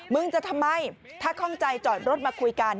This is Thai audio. มึงจะทำไมถ้าคล่องใจจอดรถมาคุยกัน